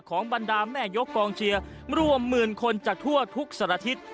ของบรรดาแม่ยกกองเชียร์รวมหมื่นคนจากทั่วทุกสารทิศ